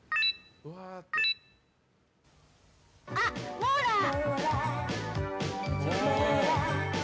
あ、モーラー！